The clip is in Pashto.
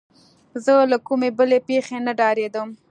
زه له کومې بلې پېښې نه ډارېدم.